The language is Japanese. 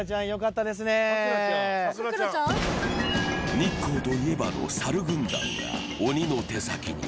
日光といえばの、さる軍団が鬼の手先に。